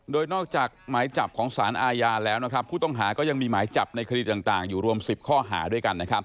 โดยนอกจากหมายจับของสารอาญาแล้วนะครับผู้ต้องหาก็ยังมีหมายจับในคดีต่างอยู่รวม๑๐ข้อหาด้วยกัน